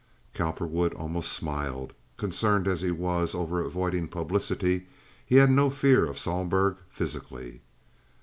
Cowperwood almost smiled, concerned as he was over avoiding publicity; he had no fear of Sohlberg physically.